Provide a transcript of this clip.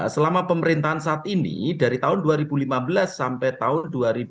selama pemerintahan saat ini dari tahun dua ribu lima belas sampai tahun dua ribu dua puluh